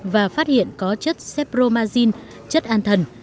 và phát hiện có chất sepromazine chất an thần